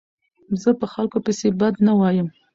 زه په خلکو پيسي بد نه وایم.